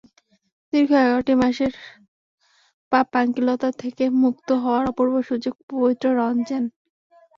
দীর্ঘ এগারোটি মাসের পাপ-পঙ্কিলতা থেকে মুক্ত হওয়ার অপূর্ব সুযোগ পবিত্র রমজান।